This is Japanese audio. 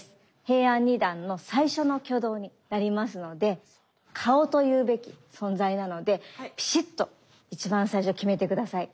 平安二段の最初の挙動になりますので顔というべき存在なのでピシっと一番最初極めて下さい。